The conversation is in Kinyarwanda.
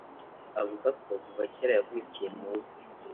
Avuga ko kuva kera yavukiye mu nka